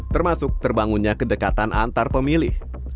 termasuk terbangunnya kedekatan antar pemilih